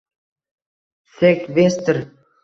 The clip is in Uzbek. sekvestr